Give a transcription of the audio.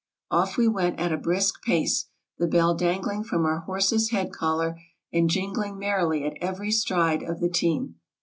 Off we went at a brisk pace, the bell dangling from our horse's head collar, and jingling merrily at every stride of the team.